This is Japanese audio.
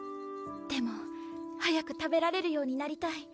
でも早く食べられるようになりたい